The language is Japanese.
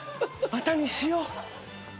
またにしよう。